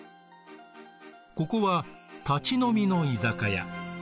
ここは立ち飲みの居酒屋。